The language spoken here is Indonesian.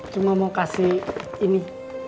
cuma mau kasih ini